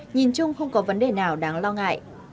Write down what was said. nhìn chung không có vấn đề nào đáng lo ngại